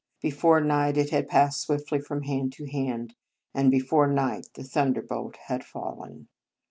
Before night it had passed swiftly from hand to hand, and before night the thunderbolt had fallen.